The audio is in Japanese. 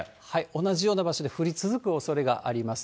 同じような場所で降り続くおそれがあります。